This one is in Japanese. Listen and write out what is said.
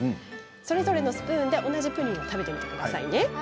それぞれのスプーンで同じプリンを食べてみてくださいね。